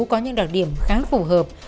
có những đặc điểm khá phù hợp